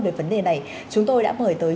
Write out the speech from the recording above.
về vấn đề này chúng tôi đã mời tới